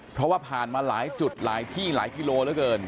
เพราะว่าผ่านมาหลายจุดหลายที่หลายกิโลเหลือเกิน